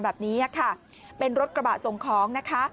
แบบนี้ค่ะเป็นรถกระบะส่งของนะคะ